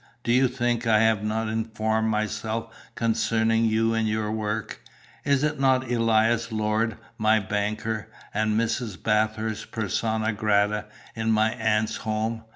Do you think I have not informed myself concerning you and your work? Is not Elias Lord my banker, and Mrs. Bathurst persona grata in my aunt's home?